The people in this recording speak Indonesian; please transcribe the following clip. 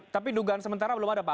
tapi dugaan sementara belum ada pak